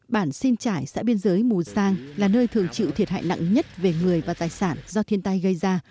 bản sinh trải xã biên giới mù sang là nơi thường chịu thiệt hại nặng nhất về người và tài sản do thiên tai gây ra